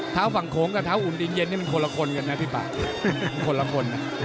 ฝั่งโขงกับเท้าอุ่นดินเย็นนี่มันคนละคนกันนะพี่ป่าคนละคนนะ